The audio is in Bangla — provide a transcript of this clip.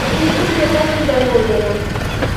কিন্তু সে তা স্বীকার করবে না।